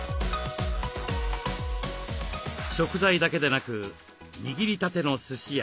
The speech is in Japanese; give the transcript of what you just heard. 食材だけでなく握りたてのすしや。